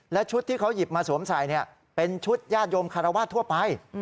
และชุดที่เขาหยิบมาสวมใส่เป็นชุดญาติโยมคารวาสทั่วไป